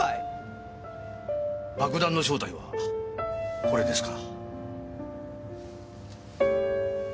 爆弾の正体はこれですか。